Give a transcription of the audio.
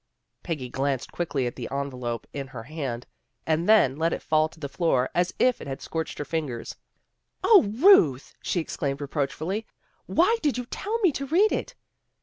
Peggy glanced quickly at the envelope in her hand, and then let it fall to the floor, as if it had scorched her fingers. " 0, Ruth," she exclaimed reproachfully, " why did you tell me to read it?